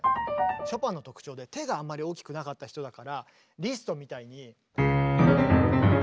ショパンの特徴で手があんまり大きくなかった人だからリストみたいに。